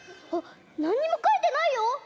なんにもかいてないよ！